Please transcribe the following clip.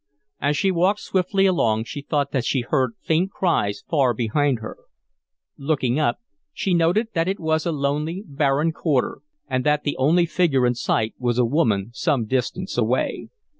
As she walked swiftly along she thought that she heard faint cries far behind her. Looking up, she noted that it was a lonely, barren quarter and that the only figure in sight was a woman some distance away.